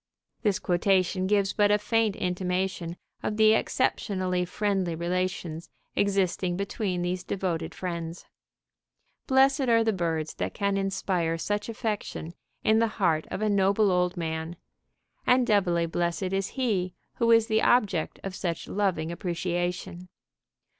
This quotation gives but a faint intimation of the exceptionally friendly relations existing between these devoted friends. Blessed are the birds that can inspire such affection in the heart of a noble old man, and doubly blessed is he who is the object of such loving appreciation.